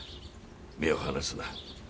目を離すな。